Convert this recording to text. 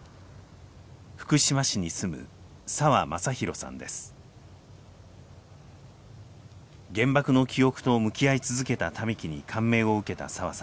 福島市に住む原爆の記憶と向き合い続けた民喜に感銘を受けた澤さん。